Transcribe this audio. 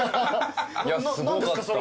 いやすごかった。